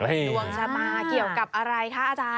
ดวงชะตาเกี่ยวกับอะไรคะ